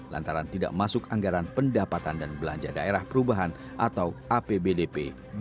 lantaran tidak masuk anggaran pendapatan dan belanja daerah perubahan atau apbdp dua ribu dua puluh